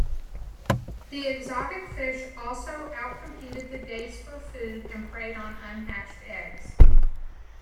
The exotic fish also out-competed the dace for food and preyed on unhatched eggs.